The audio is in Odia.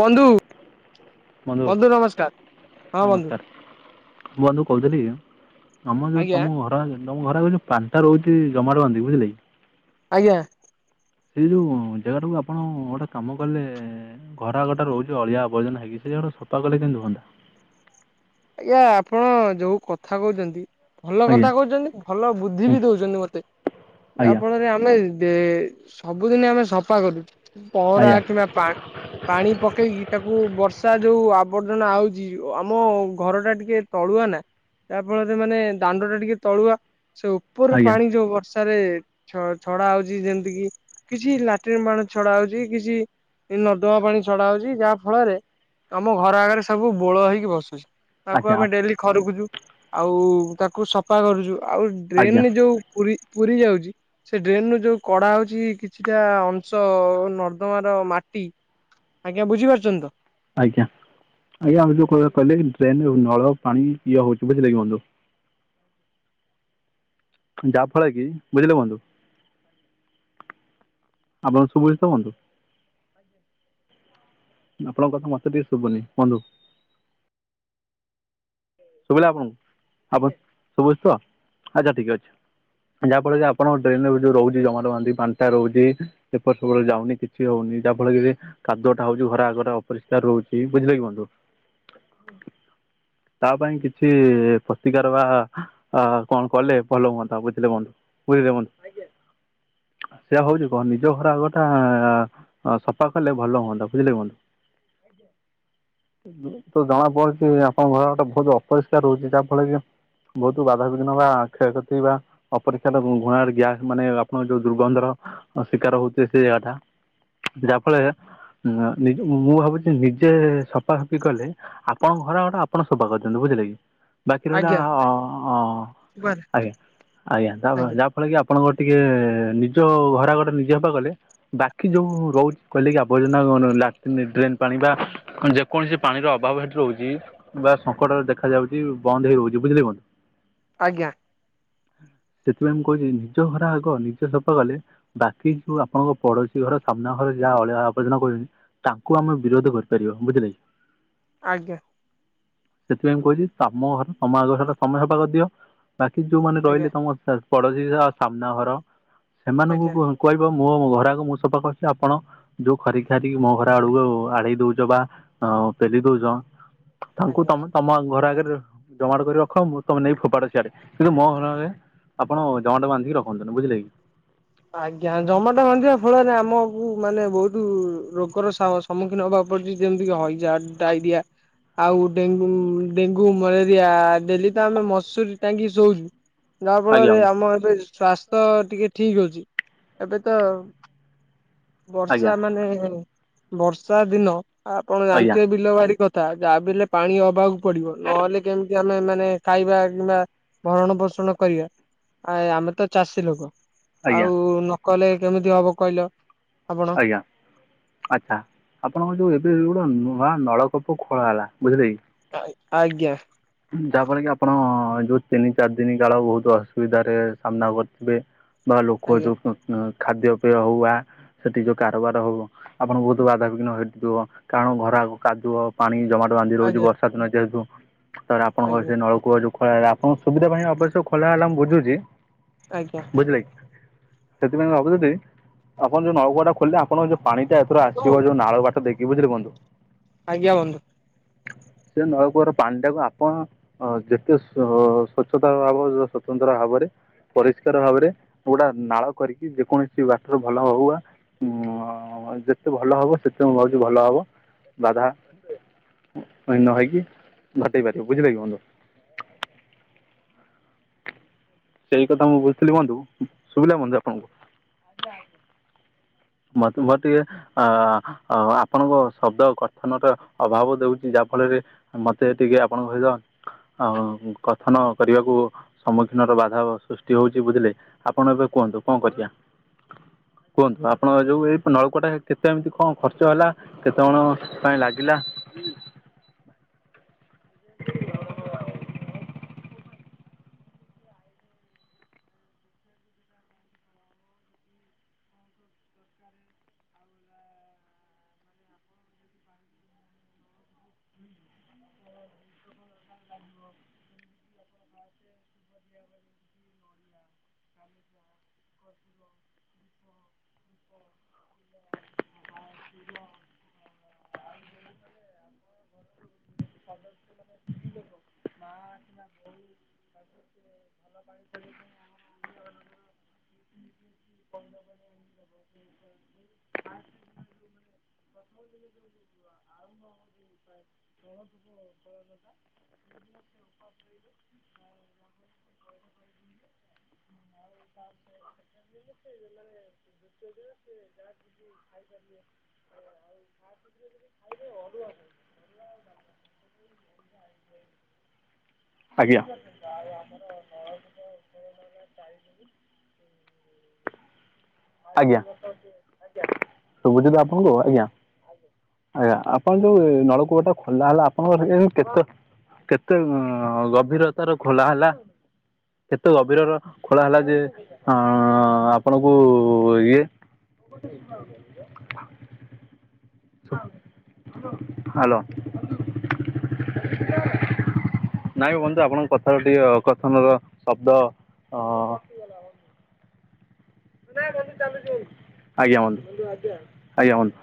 ବନ୍ଧୁ ବନ୍ଧୁ ନମସ୍କାର। ହଁ ବନ୍ଧୁ ନମସ୍କାର ବନ୍ଧୁ କହୁଥିଲି କି ଆମ ଯୋଉ ଆଜ୍ଞା ତମ ଘର ଆଗରେ ତମ ଘର ଆଗେ ଯୋଉ ପାଣିଟା ରହୁଛି ଜମାଟ ବାନ୍ଧି ବୁଝିଲେ କି। ଆଜ୍ଞା। ସେଇ ଯୋଉ ଜାଗା ଟାକୁ ଆପଣ ଗୋଟେ କାମ କଲେ-ଏ-ଏ-ଏ ଘରଆଗ ଟା ରହୁଛି ଅଳିଆ ଆବର୍ଜନା ହେଇକି ସେ ଜାଗାଟା ସଫା କଲେ କେମିତି ହୁଅନ୍ତା। ଆଜ୍ଞା ଆପଣ ଯୋଉ କଥା କହୁଛନ୍ତି ଭଲ ଆଜ୍ଞା କଥା କହୁଛନ୍ତି ଭଲ ବୁଦ୍ଧି ବି ଦଉଛନ୍ତି ମତେ ଯାହା ଆଜ୍ଞା ଫଳରେ ଆମେ ଦେ ସବୁଦିନ ଆମେ ସଫା କରୁଛୁ ପହଁରା ଆଜ୍ଞା କିମ୍ବା ପାଣି ପାଣି ପକେଇକି ତାକୁ ବର୍ଷା ଯୋଉ ଆବର୍ଜନା ଆଉଛି ଆମ-ଅ-ଅ-ଅ ଘର ଟା ଟିକେ ତଳୁଆ ନା ଯା ଫଳରେ ମାନେ ଦାଣ୍ଡ ଟା ଟିକେ ତଳୁଆ ସେ ଉ ଉପରୁ ଆଜ୍ଞା ପାଣି ଯୋଉ ବର୍ଷ ଆରେ ଛ ଛଡା ହଉଛି ଯେମିତି କି କିଛି ଲାଟିନ ପାଣି ଛଡା ହଉଛି କିଛି ଏଇ ନର୍ଦ୍ଦମା ପାଣି ଛଡା ହଉଛି ଯାହା ଫଳରେ ଆମ ଘର ଆଗରେ ସବୁ ବୋଳ ହେଇକି ବସୁଛି। ତାକୁ ଆଜ୍ଞା ଆମେ ଆପ- ଡେଲି ଖରୁକୁଛୁ, ଆଉ ତାକୁ ସଫା କରୁଛୁ ଆଉ ଆଜ୍ଞା ଡ୍ରେନରେ ଯୋଉ ପୁରି ପୁରି ଯାଉଛି ସେ ଡ୍ରେନ ରୁ ଯୋଉ କଡା ହଉଛି କିଛିଟା ଅଂଶ-ଅ-ଅ ନର୍ଦ୍ଦମା ର ମାଟି। ଆଜ୍ଞା ବୁଝିପାରୁଛନ୍ତି ତ? ଆଜ୍ଞା ଆଜ୍ଞା ଆ ଯୋଉ କଥା କହିଲେ କି ଡ୍ରେନ୍ ନଳ ପାଣି ଇଏ ହଉଛି ବୁଝିଲେକି ବନ୍ଧୁ। ଯା ଫଳରେ କି ବୁଝିଲେ ବନ୍ଧୁ। ଆପଣକୁ ଶୁଭୁଛିତ ବନ୍ଧୁ? ଆପଣଙ୍କ କଥା ମତେ ଟିକେ ଶୁଭୁନି ବନ୍ଧୁ। ଶୁଭିଲା ଆପଣଙ୍କୁ, ଆପଣଙ୍କୁ ଶୁଭୁଛି ତ ଆଚ୍ଛା ଠିକ୍ ଅଛି। ଯାହା ଫଳରେ ଆପଣଙ୍କ ଡ୍ରେନରେ ଯୋଉ ରହୁଛି ଜମାଟ ବାନ୍ଧି ପାଣିଟା ରହୁଛି। ଏପଟ ସେପଟ ଯାଉନି କିଛି ହଉନି ଯାହାଫଳରେ ରେ କାଦୁଅ ଟା ହଉଛି ଘର ଆଗଟା ଅପରିଷ୍କାର ରହୁଛି ବଝିଲେ କି ବନ୍ଧୁ। ତା ପାଇଁ କିଛି ପ୍ରତିକାର ବା ଆ କଣ କଲେ ଭଲ ହୁଅନ୍ତା ବୁଝିଲେ ବନ୍ଧୁ। ବୁଝିଲେ ବନ୍ଧୁ ସେ ହଉଛି କଣ ନିଜ ଘର ଆଗଟା ଆ ସଫା କଲେ ଭଲ ହୁଅନ୍ତା ବୁଝିଲେ ବନ୍ଧୁ। ଏଥିରୁ ଜଣା ପଡୁଛି ଆପଣଙ୍କ ଘରଟା ବହୁତ ଅପରିଷ୍କାର ରହୁଛି ଯାହା ଫଳରେ କି ବହୁତ ବାଧାବିଘ୍ନ ବା କ୍ଷୟକ୍ଷତି ବା ଅପରିଷ୍କାର ଘୃଣା ରେ ଗ୍ୟାସ୍ ମାନେ ଆପଣଙ୍କ ଯୋଉ ଦୁର୍ଗନ୍ଧର ଶିକାର ହଉଥିବେ ସେ ଜାଗା ଟା। ଯାହାଫଳରେ ମୁଁ ଭାବୁଛି ନିଜେ ସଫାସଫି କଲେ ଆପଣଙ୍କ ଘର ଆଗଟା ଆପଣ ସଫା କରିଛନ୍ତି ବୁଝିଲେ କି। ବାକି ରହିଲା ଆଜ୍ଞା ହଁ ହଁ ଶୁଭାଗଲା ଆଜ୍ଞା ଆଜ୍ଞା ଯାହାଫଳରେ ଯାହା ଫଳରେ କି ଆପଣଙ୍କ ଟିକେ ନିଜ ଘର ଆଗଟା ନିଜେ ସଫା କଲେ ବାକି ଯୋଉ ରହୁଛି ଖୋଲି କି ଆବର୍ଜନା ଲାଟିନ ଡ୍ରେନ୍ ପାଣି ବା କଣ ଯେକୌଣସି ପାଣିର ଅଭାବ ହେଠି ରହୁଛି। ବା ସଙ୍କଟରେ ଦେଖା ଯାଉଛି ବନ୍ଦ ହେଇ ରହୁଛି ବୁଝିଲେ କି ବନ୍ଧୁ। ଆଜ୍ଞା। ସେଥିପାଇଁ ମୁଁ କହୁଛି ନିଜ ଘର ଆଗ ନିଜେ ସଫା କଲେ ବାକି ଯୋଉ ଆପଣଙ୍କ ପଡୋଶୀ ଘର ସାମ୍ନା ଘରେ ଯାହା ଅଳିଆ ଆବର୍ଜନା କରୁଛନ୍ତି ତାକୁ ଆମେ ବିରୋଧ କରିପାରିବା ବୁଝିଲେ କି। ଆଜ୍ଞା। ସେଥିପାଇଁ ମୁଁ କହୁଛି ତମ ଘର ତମ ଆଗଟା ତମେ ସଫା କରି ଦିଅ ବାକି ଯୋଉମାନେ ଆଜ୍ଞା ରହିଲେ ତମ [unintelligible] ପଡୋଶୀ ର ସାମ୍ନା ଘର ଆଜ୍ଞା ସେମାନଙ୍କୁ କହିବ ମୋ ଘର ଆଗ ମୁଁ ସଫା କରୁଛି ଆପଣ ଯୋଉ ଖରିି ଖାରିକି ମୋ ଘର ଆଡକୁ ଆଡେଇ ଦଉଚ ବା ପେଲି ଦଉଚ ତାଙ୍କୁ ଆଜ୍ଞା ତମେ ତମ ଘର ଆଗରେ ଜମାଟ କରି ରଖ ମୁଁ ତମେ ନେଇକି ଫୋପାଡ ସିଆଡେ କିନ୍ତୁ ମୋ ଘର ଆଗେ ଆପଣ ଜମାଟ ବାନ୍ଧିକି ରଖନ୍ତୁନି ବୁଝିଲେ କି। ଆଜ୍ଞା। ଜମାଟ ବାନ୍ଧିବା ଫଳରେ ଆମକୁ ମାନେ ବହୁତ ରୋଗର ସାହବାସ ସମ୍ମୁଖୀନ ହବାକୁ ପଡୁଛି ଯେମିତି କି ହଇଜା, ଡାଇରିଆ। ଆଉ ଡେଙ୍ଗୁ ଡେଙ୍ଗୁ, ମଲେରିଆ ଡେଲି ତ ଆମେ ମସୁରୀ ଟାଙ୍ଗୀ କି ଶୋଉଛୁ। ଯାହା ଆଜ୍ଞା ଫଳରେ ଆମ ଏବେ ସ୍ୱାସ୍ଥ୍ ଟିକେ ଠିକ ଅଛି। ଏବେ ତ ଆଜ୍ଞା ବର୍ଷା ମାନେ ଏ ବର୍ଷା ଦିନ ଆପଣ ଆଜ୍ଞା ଜାଣିଥିବେ ବିଲ ବାଡି କଥ ଥା ଯାହାବିହେଲେ ପାଣି ହବାକୁ ପଡିବ ନହେଲେ କେମିତି ଆମେ ମାନେ ଖାଇବା କିମ୍ବା ଭରଣ ପୋଷଣ କରିବା ଆ ଆମେ ତ ଚାଷୀ ଲୋକ। ଆଜ୍ଞା ଆଉ ନକଲେ କେମିତି ହବ କହିଲ। ଆପଣ ଆଜ୍ଞା। ଆଚ୍ଛା ଆପଣଙ୍କ ଯୋଉ ଏବେ ଗୋଟେ ନୂଆ ନଳକୂପ ଖୋଳା ହେଲା ବୁଝିଲେ କି ଆ ଆଜ୍ଞା। ଯାହାଫଳ କି ଆପଣ-ଅ ଯୋଉ ତିନି ଚାରି ଦିନ କାଳ ବହୁତ ଅସୁବିଧାରେ ସାମ୍ନା କରିଥିବେ। ବା ଲୋକ ଆଜ୍ଞା ଯୋଉ ଅଁ ଖାଦ୍ୟପେୟ ହଉ ବା ସେଠି ଯୋଉ କାରବାର ହବ ଆପଣଙ୍କୁ ବହୁତ ବାଧାବିଘ୍ନ ହେଇଥିବ କାରଣ ଘର ଆଗ କାଦୁଅ ପାଣି ଜମାଟ ବାନ୍ଧି ରହୁଛି ଆଜ୍ଞା ବର୍ଷା ଦିନ ଯେହେତୁ। ଶାର ଆପଣଙ୍କ ଆଜ୍ଞା ସେ ନଳକୂଅ ଯୋଉ ଖୋଲା ହେଲା ଆପଣଙ୍କ ସୁବିଧା ପାଇଁ ଅବଶ୍ୟ ଖୋଲା ହେଲା ମୁଁ ବୁଝୁଛି। ଆଜ୍ଞା ଆଜ୍ଞା ବୁଝିଲେକି ସେଥିପାଇଁ ଭାବୁଥିଲି ଆପଣ ଯୋଉ ନଳକୂଅଟା ଖୋଳିଲେ ଆପଣଙ୍କ ଯୋଉ ପାଣିଟା ଏଥର ବନ୍ଧୁ ଆସିବ ଯୋଉ ନାଳ ବାଟ ଦେଇକି କି ବୁଝିଲେ ବନ୍ଧୁ ଆଜ୍ଞା ବନ୍ଧୁ। ସେ ନଳକୁଅର ପାଣିଟାକୁ ଆ ପଣ ଅ ଯେତେ ସ ସ୍ଵଚ୍ଛତା ଭାବ ସ୍ବତନ୍ତ୍ର ଭାବରେ ପରିଷ୍କାର ଭାବରେ ଗୋଟା ନାଳ କରିକି ଯେକୌଣସି ବାଟରେ ଭଲ ହଉ ବା ଉଁ ଯେତେ ଭଲ ହବ ସେତେ ମୁଁ ଭାବୁଛି ଭଲ ହବ ବାଧା ପୁଣି ନ ହେଇକି ବୁଝେଇ ପାରିବ ବୁଝିଲେକି ବନ୍ଧୁ। ସେଇ କଥା ମୁଁ ବୁଝୁଥିଲି ବନ୍ଧୁ ଶୁଭିଲା ବନ୍ଧୁ ଆପଣଙ୍କୁ। ମତେ ମୋର ଟିକେ ଅ ଅ ଆପଣଙ୍କ ଶବ୍ଦ କଥନର ଅଭାବ ଦଉଚି ଯାହାଫଳରେ ମତେ ଟିକିଏ ଆପଣଙ୍କ ସହିତ ଅଁ କଥନ କରିବାକୁ ସମ୍ମୁଖୀନ ର ବାଧା ସୃଷ୍ଟି ହଉଚି ବୁଝିଲେ ଆପଣ ଏବେ କୁହନ୍ତୁ କଣ କରିବା? କୁହନ୍ତୁ ଆପ ଆପଣ ଯୋଉ ଏଇ ନଳକୂଅଟା କେତେ ଏମିତି କଣ ଖର୍ଚ୍ଚ ହେଲା କେତେ କଣ ପାଇଁ ଲାଗିଲା? [unintelligible] [unintelligible] ଆ [unintelligible] [unintelligible] [unintelligible] [unintelligible] ପ୍ରଥମ [unintelligible] ଉପାୟ। [unintelligible] ଆଉ ହିସାବ [unintelligible] [unintelligible] ଆଉ ଆଉ ଫାଷ୍ଟ ଦିନ ଖାଇଦବ ଅରୁଆକୁ ଅରୁଆ ଆଜ୍ଞା। ଆ ଆଜ୍ଞା ଶୁବୁଚିତ ଆପଣଙ୍କୁ ଆଜ୍ଞା। ଆଜ୍ଞା ଆପଣ ଯୋଉ ନଳକୂପ ଟା ଖୋଲା ହେଲା ଆପଣଙ୍କର [unintelligible] କେତେ କେତେ ଗଭୀରତାର ଖୋଲା ହେଲା। କେତେ ଗଭୀରର ଖୋଳା ହେଲା ଯେ ଅଁ ଆପଣଙ୍କୁ ଇଏ [unintelligible] ହଉ ହାଲୋ ହାଲୋ ହାଲୋ। ଆ ନାଇଁ ବନ୍ଧୁ ଆପଣଙ୍କ କଥାରୁ ଟିକେ ଅକଥନର ଶବ୍ଦ ଅ [inaudible] ଆଜ୍ଞା ବନ୍ଧୁ ଆଜ୍ଞା ବନ୍ଧୁ।